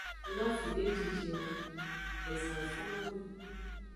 No afide jinjin o, ezan wo fonno nii.